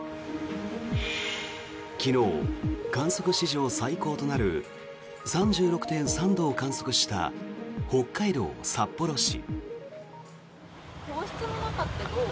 昨日、観測史上最高となる３６．３度を観測した北海道札幌市。